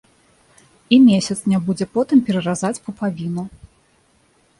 І месяц не будзе потым пераразаць пупавіну.